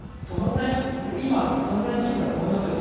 そのくらいのチームだと思いますよい。